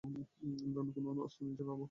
আমরা অন্য কোন অস্ত্র নিশ্চয়ই পাবো!